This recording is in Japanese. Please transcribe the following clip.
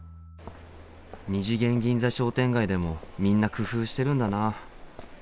二次元銀座商店街でもみんな工夫してるんだな。